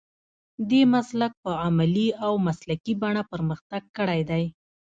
دې مسلک په عملي او مسلکي بڼه پرمختګ کړی دی.